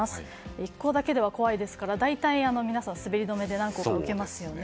１校だけでは怖いですから大体皆さん、滑り止めで何校か受けますよね。